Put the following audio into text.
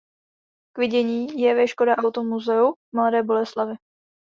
K vidění je ve Škoda Auto Muzeu v Mladé Boleslavi.